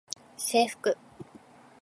制服